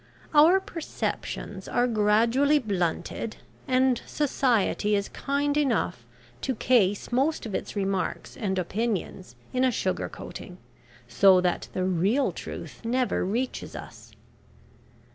Our perceptions are gradually blunted, and society is kind enough to case most of its remarks and opinions in a sugar coating, so that the real truth never reaches us.